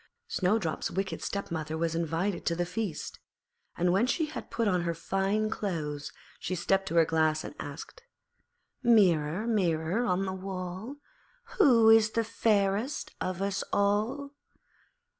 Snowdrop's wicked stepmother was invited to the feast; and when she had put on her fine clothes she stepped to her Glass and asked 'Mirror, Mirror on the wall, Who is fairest of us all?'